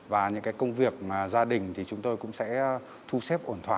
và những công việc gia đình chúng tôi cũng sẽ thu xếp ổn thỏa